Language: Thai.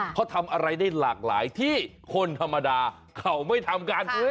เขาทำอะไรได้หลากหลายที่คนธรรมดาเขาไม่ทำกัน